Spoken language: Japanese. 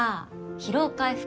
疲労回復。